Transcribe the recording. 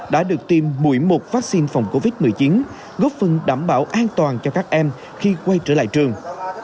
đã được tiêm mũi một vaccine phòng covid một mươi chín góp phần đảm bảo an toàn cho các em khi quay trở lại trường